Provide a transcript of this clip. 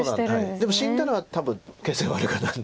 でも死んだら多分形勢悪くなる。